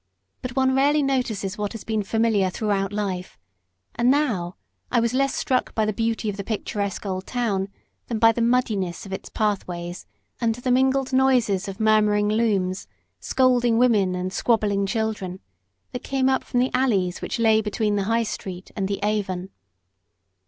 But one rarely notices what has been familiar throughout life; and now I was less struck by the beauty of the picturesque old town than by the muddiness of its pathways, and the mingled noises of murmuring looms, scolding women, and squabbling children, that came up from the alleys which lay between the High Street and the Avon.